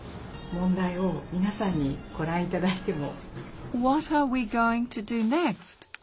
問題を皆さんにご覧いただいても？